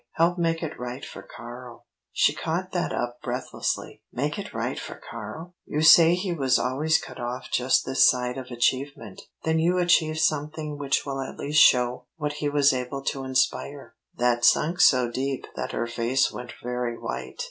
"Help make it right for Karl." She caught that up breathlessly. "Make it right for Karl?" "You say he was always cut off just this side of achievement. Then you achieve something which will at least show what he was able to inspire." That sunk so deep that her face went very white.